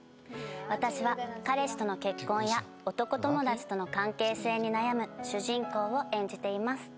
私は彼氏との結婚や男友達との関係性に悩む主人公を演じています